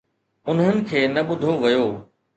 انهن کي نه ٻڌو ويو.